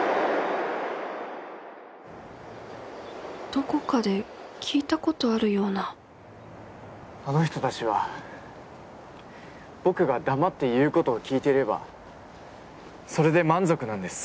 どこかで聞いたことあるようなあの人たちは僕が黙って言うことを聞いていればそれで満足なんです。